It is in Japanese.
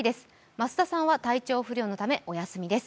増田さんは体調不良のためお休みです。